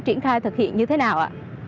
triển khai thực hiện như thế nào